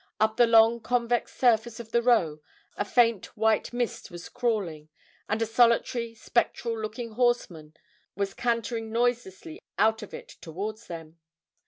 Up the long convex surface of the Row a faint white mist was crawling, and a solitary, spectral looking horseman was cantering noiselessly out of it towards them.